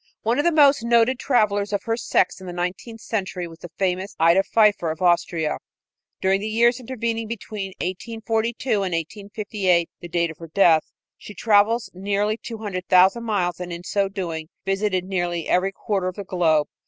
One of the most noted travelers of her sex in the nineteenth century was the famous Ida Pfeiffer, of Austria. During the years intervening between 1842 and 1858, the date of her death, she traveled nearly two hundred thousand miles and, in so doing, visited nearly every quarter of the globe.